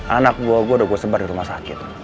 anak buah gue udah gue sebar di rumah sakit